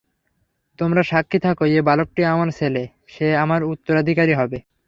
তোমরা সাক্ষী থাক, এ বালকটি আমার ছেলে, সে আমার উত্তরাধিকারী হবে।